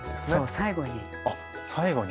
最後に。